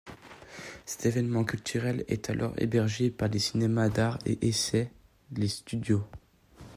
Cet événement culturel est alors hébergé par les cinémas d'art et essai, Les Studio.